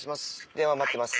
電話待ってます。